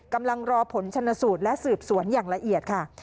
กำลังรอผลชนสูตรและสืบสวนอย่างละเอียดค่ะ